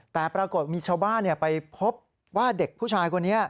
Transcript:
แต่ปรากฏมีชาวบ้านไปพบว่าเด็กผู้ชายคนนี้